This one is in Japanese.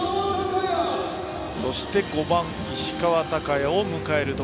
そして５番、石川昂弥を迎えます。